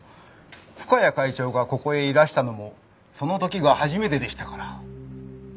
深谷会長がここへいらしたのもその時が初めてでしたから。